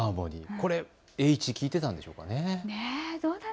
これ、栄一も聞いていたんでしょうかね。